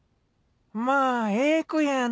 まあええ子やな。